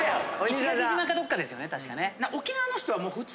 ・石垣島かどっかですよね。